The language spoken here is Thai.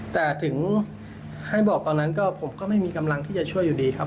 แต่ถึงให้บอกตอนนั้นก็ผมก็ไม่มีกำลังที่จะช่วยอยู่ดีครับ